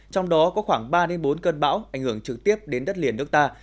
trong đó có khoảng ba bốn cơn bão ảnh hưởng trực tiếp đến đất liền nước ta